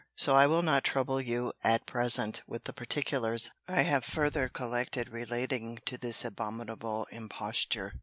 —So I will not trouble you at present with the particulars I have further collected relating to this abominable imposture.